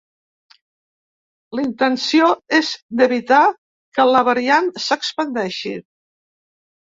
La intenció és d’evitar que la variant s’expandeixi.